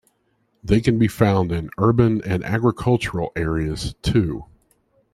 They can be found in urban and agricultural areas, too.